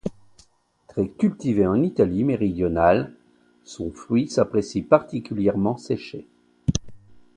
Très cultivé en Italie méridionale, son fruit s'apprécie particulièrement séché.